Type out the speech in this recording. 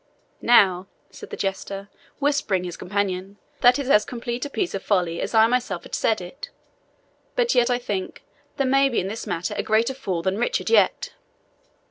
"Now," said the jester, whispering his companion, "that is as complete a piece of folly as if I myself had said it; but yet, I think, there may be in this matter a greater fool than Richard yet."